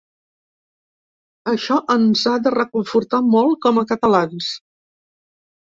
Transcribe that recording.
Això ens ha de reconfortar molt com a catalans.